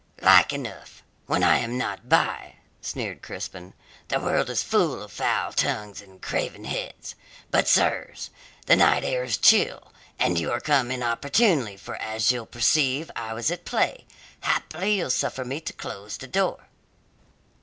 "Like enough when I am not by," sneered Crispin. "The world is full of foul tongues in craven heads. But, sirs, the night air is chill and you are come inopportunely, for, as you'll perceive, I was at play. Haply you'll suffer me to close the door."